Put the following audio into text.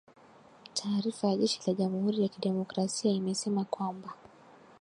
Taarifa ya jeshi la jamhuri ya kidemokrasia imesema kwamba